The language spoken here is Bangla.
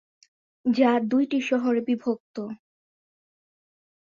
যা দুইটি শহরে বিভক্ত।